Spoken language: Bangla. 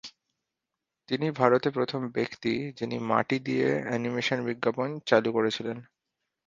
তিনিই ভারতে প্রথম ব্যক্তি যিনি মাটি দিয়ে অ্যানিমেশন বিজ্ঞাপন চালু করেছিলেন।